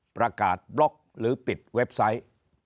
ประกาศบล็อกหรือปิดเว็บไซต์